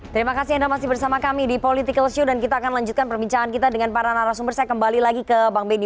terima kasih anda masih bersama kami di political show dan kita akan lanjutkan perbincangan kita dengan para narasumber saya kembali lagi ke bang benny